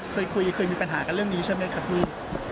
เคยคุยเคยมีปัญหากันเรื่องนี้ใช่ไหมครับพี่